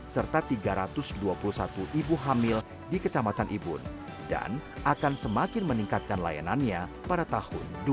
serta tiga ratus dua puluh satu ibu hamil di kecamatan ibun dan akan semakin meningkatkan layanannya pada tahun dua ribu dua puluh